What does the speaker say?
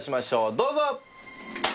どうぞ！